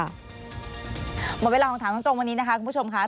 หมดเวลาของถามตรงวันนี้นะคะคุณผู้ชมค่ะ